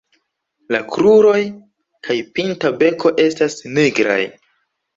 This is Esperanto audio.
La kruroj kaj pinta beko estas nigraj.